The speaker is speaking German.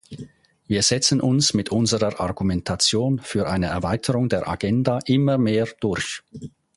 Wir setzen uns mit unserer Argumentation für eine Erweiterung der Agenda immer mehr durch.